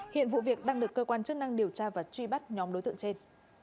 hiện vụ việc đang được cơ quan chức năng điều tra và truy bắt nhóm đối tượng trên